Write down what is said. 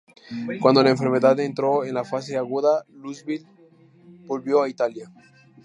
Cuando la enfermedad entró en la fase aguda, Lucille volvió a Italia.